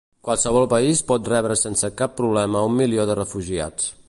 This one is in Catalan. Qualsevol país pot rebre sense cap problema un milió de refugiats.